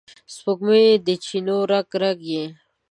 د سپوږمۍ د چېنو رګ، رګ یې،